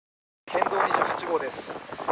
県道２８号です。